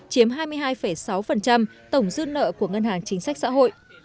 chiếm hai mươi hai sáu tổng dư nợ của ngân hàng chính sách xã hội